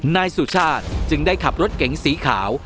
นายสุชาติจึงได้ขับรถเก๋งสีขาว